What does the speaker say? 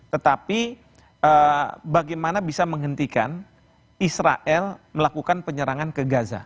tetapi bagaimana bisa menghentikan israel melakukan penyerangan ke gaza